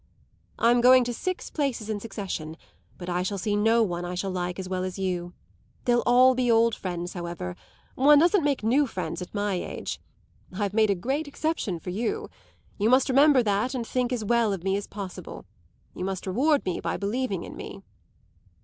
"I'm going to six places in succession, but I shall see no one I like so well as you. They'll all be old friends, however; one doesn't make new friends at my age. I've made a great exception for you. You must remember that and must think as well of me as possible. You must reward me by believing in me."